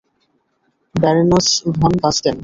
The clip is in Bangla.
Barons von Basten.